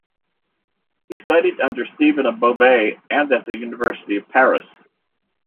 He studied under Stephen of Beauvais and at the University of Paris.